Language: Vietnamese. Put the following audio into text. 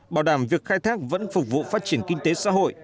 bảo đảm việc khai thác vẫn phục vụ phát triển kinh tế xã hội